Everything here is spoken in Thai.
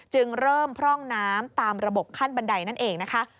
จึงเริ่มพร่องน้ำตามระบบขั้นบันไดนั่นเองนะคะ